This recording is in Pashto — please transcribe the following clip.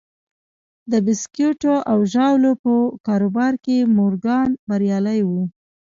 د بیسکويټو او ژاولو په کاروبار کې مورګان بریالی و